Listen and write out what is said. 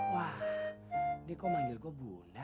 wah dia kok manggil gua bunda